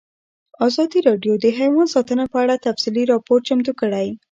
ازادي راډیو د حیوان ساتنه په اړه تفصیلي راپور چمتو کړی.